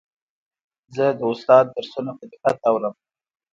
زه د استاد درسونه په دقت اورم.